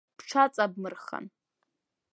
Бҽаҵабмырхан!